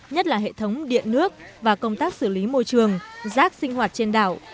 nhất là hệ thống điện nước và công tác xử lý môi trường rác sinh hoạt trên đảo